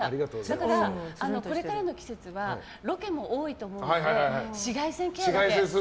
だから、これからの季節はロケも多いと思うので紫外線ケアだけ。